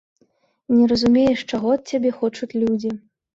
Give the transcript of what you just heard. Не разумееш, чаго ад цябе хочуць людзі.